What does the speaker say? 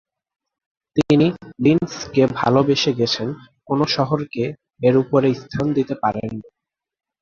তিনি লিন্ৎসকে ভালবেসে গেছেন, কোন শহরকে এর উপরে স্থান দিতে পারেননি।